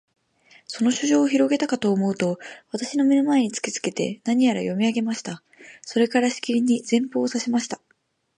その書状をひろげたかとおもうと、私の眼の前に突きつけて、何やら読み上げました。それから、しきりに前方を指さしました。